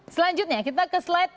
selanjutnya kita ke slide